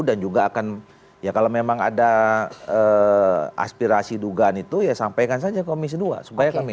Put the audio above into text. dan ya kalau memang ada aspirasi dugaan itu ya sampaikan saja ke komisi dua supaya kami